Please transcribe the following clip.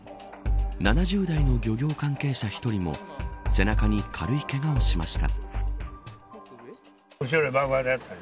７０代の漁業関係者１人も背中に軽いけがをしました。